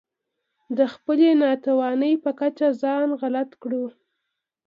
د خپلې ناتوانۍ په کچه ځان غلط کړو.